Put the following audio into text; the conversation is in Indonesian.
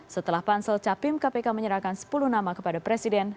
setelah pansel capim kpk menyerahkan sepuluh nama kepada presiden